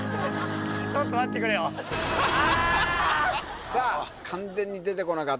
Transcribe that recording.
ちょっと待ってくれよあっ！